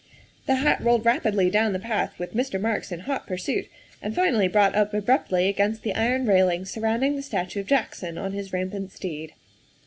The hat rolled rapidly down the path with Mr. Marks in hot pursuit, and finally brought up abruptly against the iron railing surrounding the statue of Jack son on his rampant steed.